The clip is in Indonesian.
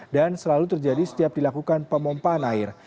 dan selalu terjadi setiap dilakukan pemompaan air